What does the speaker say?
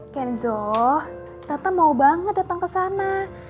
kenzo tata mau banget datang ke sana